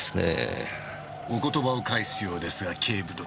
お言葉を返すようですが警部殿。